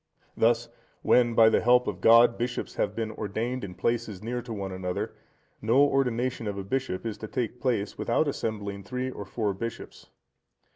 (126) Thus, when, by the help of God, bishops shall have been ordained in places near to one another, no ordination of a bishop is to take place without assembling three or four bishops.